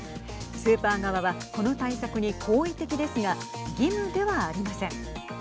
スーパー側はこの対策に好意的ですが義務ではありません。